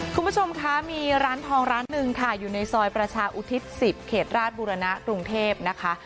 คุณผู้ชมคะมีร้านทองร้านหนึ่งค่ะอยู่ในซอยประชาอุทิศ๑๐เขตราชบุรณะกรุงเทพนะคะ